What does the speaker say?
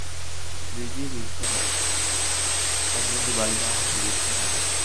বীজই বৃক্ষ হয়, একবিন্দু বালুকণা কখনও বৃক্ষ হয় না।